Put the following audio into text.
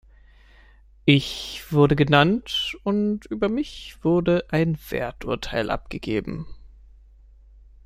Ich wurde genannt, und über mich wurde ein Werturteil abgegeben.